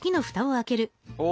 お！